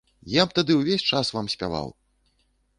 Я б тады увесь час вам спяваў!